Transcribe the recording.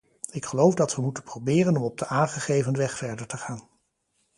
Ik geloof dat we moeten proberen om op de aangegeven weg verder te gaan.